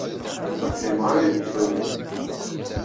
Ur fhimeɣ ara ayen d-turiḍ.